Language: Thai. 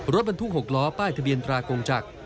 รถบรรทุก๖ล้อป้ายทะเบียนตรากงจักร